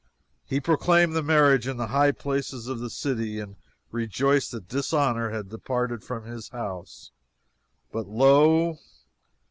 He proclaimed the marriage in the high places of the city and rejoiced that dishonor had departed from his house. But lo!